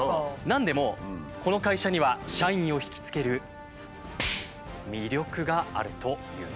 なんでもこの会社には社員を引きつける魅力があるというんです。